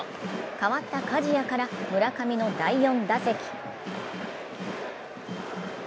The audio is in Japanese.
代わった加治屋から村上の第４打席。